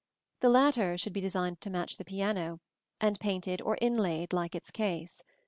The latter should be designed to match the piano, and painted or inlaid like its case.